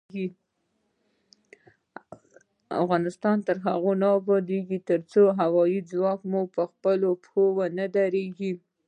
افغانستان تر هغو نه ابادیږي، ترڅو هوايي ځواک مو پخپلو پښو ونه دریږي.